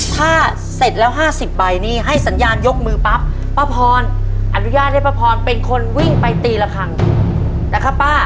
ถ้าเสร็จแล้ว๕๐ใบนี้ให้สัญญาณยกมือปั๊บป้าพรอนุญาตให้ป้าพรเป็นคนวิ่งไปตีละครั้งนะครับป้า